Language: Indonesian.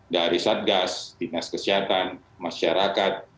dari satgas dinas kesehatan masyarakat